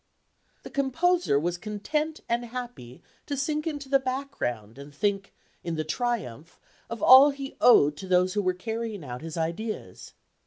The composer was content and happy to sink into the background and think, in the triumph, of all he owed to those who were carrying out his ideas.